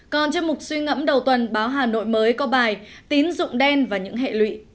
còn trong một suy ngẫm đầu tuần báo hà nội mới có bài tín dụng đen và những hệ lụy